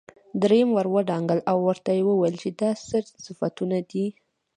دريم ور ودانګل او ورته يې وويل چې دا څه صفتونه دي.